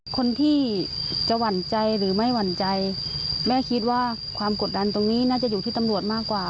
คนที่จะหวั่นใจหรือไม่หวั่นใจแม่คิดว่าความกดดันตรงนี้น่าจะอยู่ที่ตำรวจมากกว่า